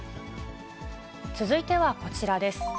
続いてはこちらです。